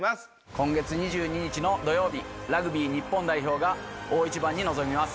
今月２２日の土曜日ラグビー日本代表が大一番に臨みます。